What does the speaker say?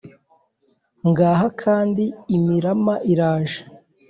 ngaha kandi imirama iraje !